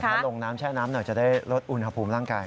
ถ้าลงน้ำแช่น้ำหน่อยจะได้ลดอุณหภูมิร่างกาย